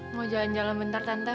mau jalan jalan bentar tante